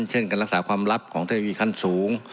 เช่นการรักษาความลับของเทคโนโลยีขั้นสูง